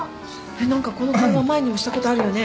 えっ何かこの会話前にもしたことあるよね。